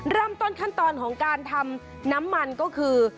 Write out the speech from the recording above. เริ่มต้นขั้นตอนของการทำน้ำมันก็คือ